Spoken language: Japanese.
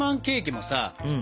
もさ